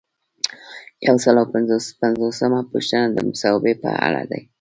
یو سل او پنځه پنځوسمه پوښتنه د مصوبې په اړه ده.